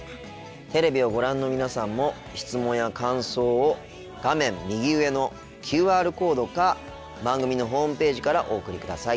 テレビをご覧の皆さんも質問や感想を画面右上のＱＲコードか番組のホームページからお送りください。